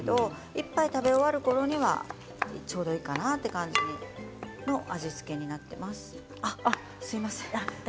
一杯食べ終わるころにはちょうどいいかなという味付けになっています。